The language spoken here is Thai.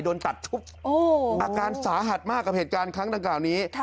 โดนตัดชุบอาการสาหัสมากกับเหตุการณ์ครั้งดังกล่าวนี้